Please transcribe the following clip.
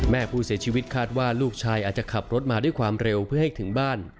แม่ผู้เสียชีวิตคาดว่าลูกชายอาจจะขับรถมาด้วยความเร็วเพื่อให้ถึงบ้าน